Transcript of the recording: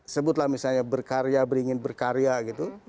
sebutlah misalnya berkarya beringin berkarya gitu